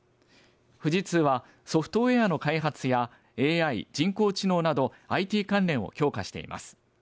富士通はソフトウエアの開発やＡＩ＝人工知能などＩＴ関連を強化しています。